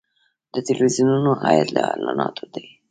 د تلویزیونونو عاید له اعلاناتو دی